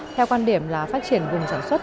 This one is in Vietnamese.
theo quan điểm là phát triển vùng sản xuất